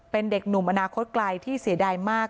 เป็นเด็กหนุ่มอนาคตไกลที่เสียดายมาก